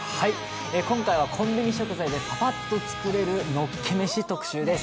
今回はコンビニ食材でパパッと作れるのっけメシ特集です。